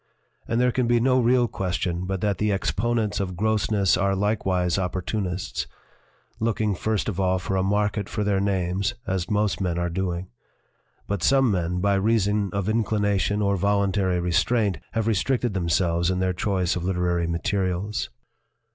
And there can be no real question but that the exponents of grossness are likewise opportunists, looking first of all for a market for their ; names as most men are doing. But some men, by reason of inclination or voluntary restraint, have restricted themselves in their choice of literary materials."